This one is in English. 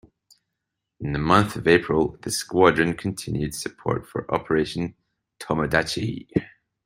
In the month of April the squadron continued support for Operation Tomodachi.